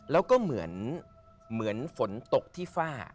แล้วก็เหมือนฝนตกที่ฝ้า